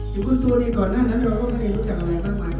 หรือคุณทัวเนี่ยก่อนหน้านั้นเราก็ไม่ได้รู้จักอะไรมากมาย